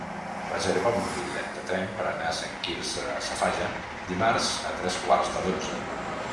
Reserva'm un bitllet de tren per anar a Sant Quirze Safaja dimarts a tres quarts de dotze.